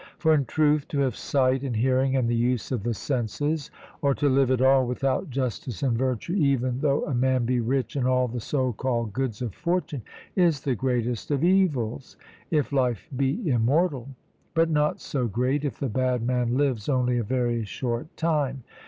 For in truth, to have sight, and hearing, and the use of the senses, or to live at all without justice and virtue, even though a man be rich in all the so called goods of fortune, is the greatest of evils, if life be immortal; but not so great, if the bad man lives only a very short time.